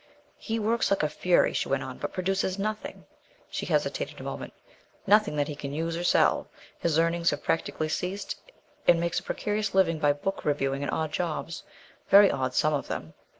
"He works like a fury," she went on, "but produces nothing" she hesitated a moment "nothing that he can use or sell. His earnings have practically ceased, and he makes a precarious living by book reviewing and odd jobs very odd, some of them.